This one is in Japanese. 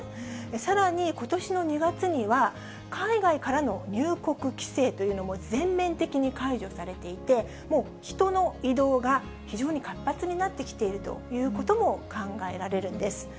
さらに、ことしの２月には、海外からの入国規制というのも全面的に解除されていて、もう人の移動が非常に活発になってきているということも考えられるんです。